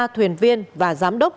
ba thuyền viên và giám đốc